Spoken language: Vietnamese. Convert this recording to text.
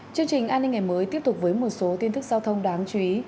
chương trình an ninh ngày mới tiếp tục với một số tin tức giao thông đáng chú ý